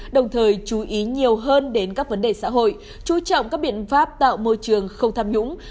đồng thời chú ý nhiều hơn đến các vấn đề xã hội chú trọng các biện pháp tạo môi trường không tham nhũng